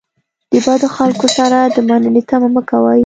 د بدو خلکو څخه د مننې تمه مه کوئ.